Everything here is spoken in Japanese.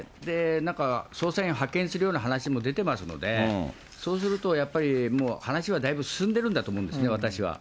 なんか、捜査員派遣するような話も出てますので、そうするとやっぱり、もう話はだいぶ進んでるんだと思うんですね、私は。